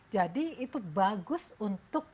jadi itu bagus untuk